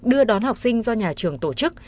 đưa đón học sinh do nhà trường tổ chức